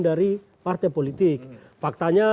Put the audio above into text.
dari partai politik faktanya